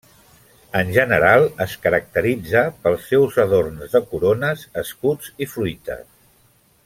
En general, es caracteritza pels seus adorns de corones, escuts i fruites.